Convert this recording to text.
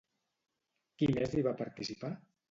Qui més hi va participar?